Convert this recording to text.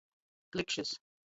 Klikšys.